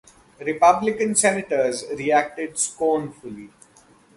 Republican senators reacted scornfully.